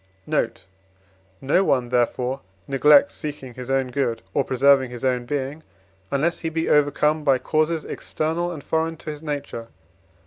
Note. No one, therefore, neglects seeking his own good, or preserving his own being, unless he be overcome by causes external and foreign to his nature.